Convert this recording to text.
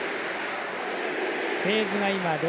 フェーズが今、６。